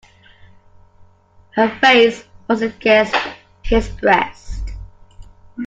Her face was against his breast.